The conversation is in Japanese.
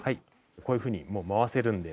こういうふうにもう回せるので。